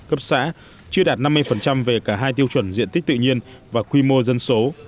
cấp xã chưa đạt năm mươi về cả hai tiêu chuẩn diện tích tự nhiên và quy mô dân số